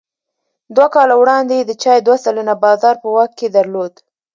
دوه کاله وړاندې یې د چای دوه سلنه بازار په واک کې درلود.